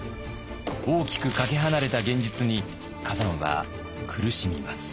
大きくかけ離れた現実に崋山は苦しみます。